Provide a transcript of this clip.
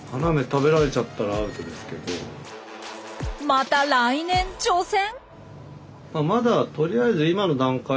また来年挑戦？